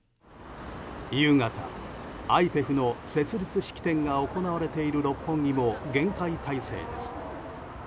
夕方、ＩＰＥＦの設立式典が行われている六本木も厳戒態勢です。